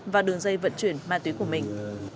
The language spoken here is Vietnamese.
và đường dây vận chuyển ma túy của mình